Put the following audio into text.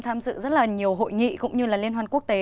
tham dự rất là nhiều hội nghị cũng như là liên hoan quốc tế